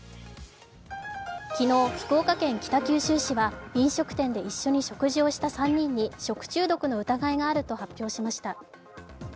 昨日、福岡県北九州市は飲食店で一緒に食事をした３人に食中毒の疑いがあると発表しました。